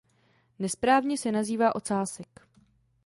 Nesprávně se nazývá ocásek.